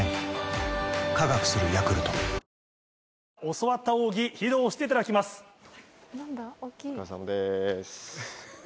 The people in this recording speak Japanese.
教わった奥義披露していただきます。